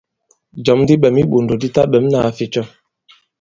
Jɔ̌m di ɓɛ̌m i iɓòndò di taɓɛ̌m nāa ficɔ.